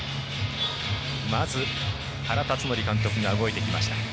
まず、原辰徳監督が動いてきました。